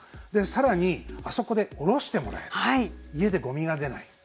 さらに、あそこでおろしてもらえる家でごみが出ない。